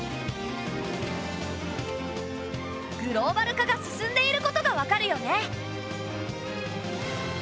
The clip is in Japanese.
グローバル化が進んでいることがわかるよね。